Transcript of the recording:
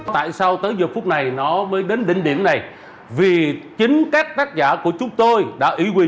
tại sao tới giờ phút này nó mới đến đỉnh điểm này vì chính các tác giả của chúng tôi đã ủy quyền